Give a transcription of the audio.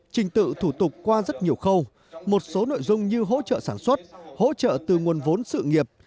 trình tự thủ tục qua rất nhiều khâu một số nội dung như hỗ trợ sản xuất hỗ trợ từ nguồn vốn sự nghiệp